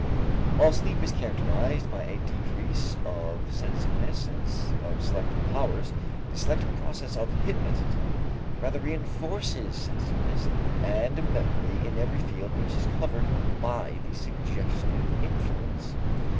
While sleep is characterized by a decrease of sensitiveness and of selective powers, the selective process of hypnotism rather reënforces sensitiveness and memory in every field which is covered by the suggestive influence.